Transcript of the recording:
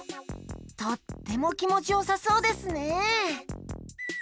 とってもきもちよさそうですね。